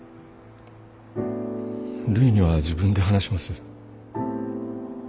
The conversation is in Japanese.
るいには自分で話します。